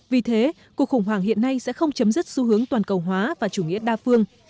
vì thế cuộc khủng hoảng hiện nay sẽ không chấm dứt xu hướng toàn cầu hóa và chủ nghĩa đa phương